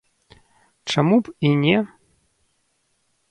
Чаму і б не?